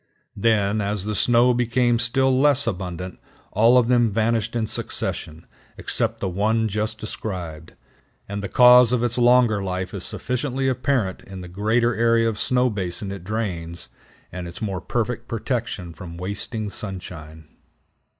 Then, as the snow became still less abundant, all of them vanished in succession, except the one just described; and the cause of its longer life is sufficiently apparent in the greater area of snow basin it drains, and its more perfect protection from wasting sunshine.